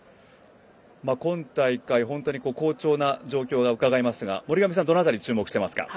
今大会、本当に好調な状況がうかがえますが、森上さんどの辺り、注目してますか？